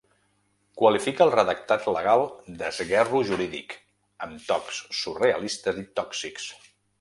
Qualifica el redactat legal de ‘esguerro jurídic’ amb tocs ‘surrealistes i tòxics’.